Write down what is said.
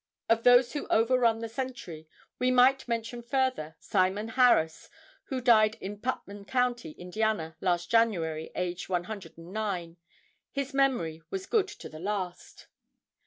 Of those who overrun the century, we might mention further, Simon Harras, who died in Putnam Co., Indiana, last January, aged 109. His memory was good to the last.